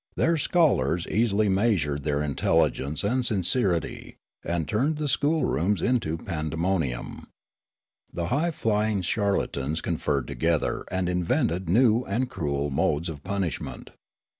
Their scholars easily measured 136 Riallaro their intelligence and sincerity, and turned the school rooms into pandemonium. The high flying charlatans conferred together and invented new and cruel modes of punishment.